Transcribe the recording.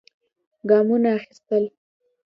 ګامونه اخېستل.